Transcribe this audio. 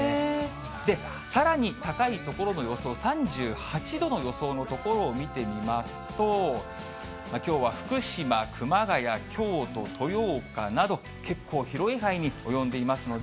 さらに、高い所の予想、３８度の予想の所を見てみますと、きょうは福島、熊谷、京都、豊岡など、結構広い範囲に及んでいますので。